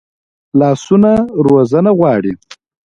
لاسونه روزنه غواړي